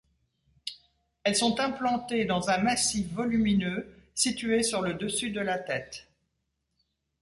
Elles sont implantées dans un massif volumineux situé sur le dessus de la tête.